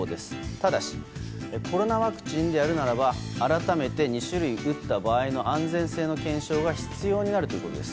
ただしコロナワクチンでやるならば改めて２種類打った場合の安全性の検証が必要になると。